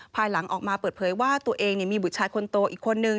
ภายหลังออกมาเปิดเผยว่าตัวเองมีบุตรชายคนโตอีกคนนึง